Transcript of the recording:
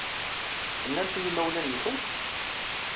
Tennamt i yimawlan-nwent?